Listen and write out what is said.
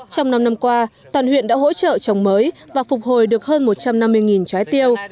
trong năm năm qua toàn huyện đã hỗ trợ trồng mới và phục hồi được hơn một trăm năm mươi trái tiêu